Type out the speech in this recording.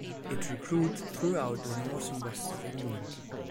It recruits throughout the North West of England.